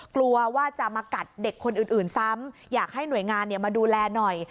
กลัวว่าจะมากัดเด็กคนอื่นซ้ำอยากให้หน่วยงานมาดูแลหน่อย